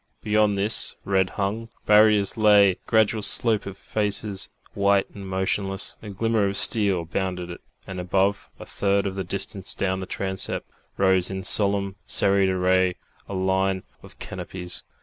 Beyond this red hung barrier lay a gradual slope of faces, white and motionless; a glimmer of steel bounded it, and above, a third of the distance down the transept, rose in solemn serried array a line of canopies.